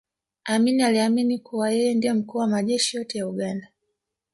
amin aliamini kuwa yeye ndiye mkuu wa majeshi yote ya uganda